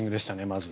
まず。